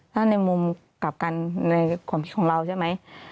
ถ้าในมุมกลับกันในความคิดของเราใช่ไหม